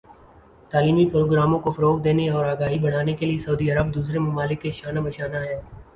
تعلیمی پروگراموں کو فروغ دینے اور آگاہی بڑھانے کے لئے سعودی عرب دوسرے ممالک کے شانہ بشانہ ہے